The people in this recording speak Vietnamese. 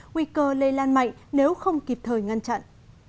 nguy cơ lây lan mạnh nếu không kịp thời ngăn chặn